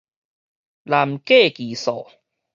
難計其數